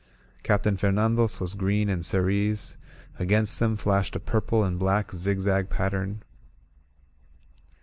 Captain Fernando's was green and cerise; against them flashed a purple and black zigzag pattern.